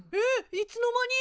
いつの間に？